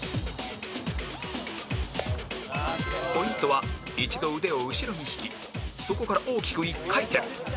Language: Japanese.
ポイントは一度腕を後ろに引きそこから大きく１回転